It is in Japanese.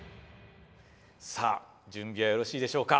さあ準備はよろしいでしょうか。